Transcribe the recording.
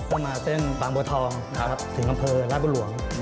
มาเส้นบางบัวทองนะครับถึงอำเภอราชบุหลวง